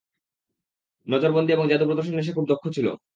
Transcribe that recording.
নযরবন্দী এবং জাদু প্রদর্শনে সে খুব দক্ষ ছিল।